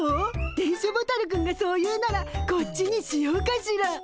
電書ボタルくんがそう言うならこっちにしようかしら。